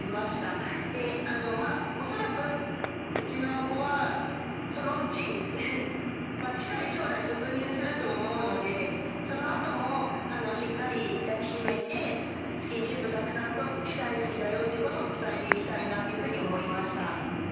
でまあ恐らくうちの子はそのうち近い将来卒乳すると思うのでそのあともしっかり抱き締めてスキンシップたくさんとって大好きだよってことを伝えていきたいなっていうふうに思いました。